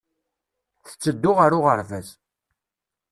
Tetteddu ɣer uɣerbaz.